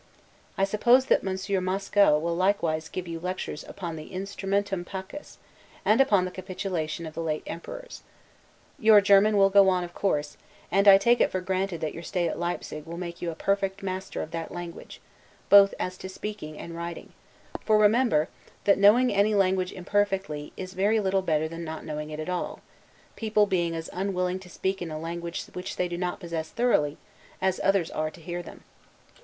I suppose that Monsieur Mascow will likewise give you lectures upon the 'Instrumentum Pacis,' and upon the capitulations of the late emperors. Your German will go on of course; and I take it for granted that your stay at Leipsig will make you a perfect master of that language, both as to speaking and writing; for remember, that knowing any language imperfectly, is very little better than not knowing it at all: people being as unwilling to speak in a language which they do not possess thoroughly, as others are to hear them.